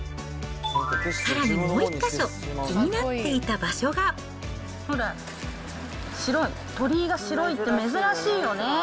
さらにもう１か所、気になっていほら、白い、鳥居が白いって珍しいよね。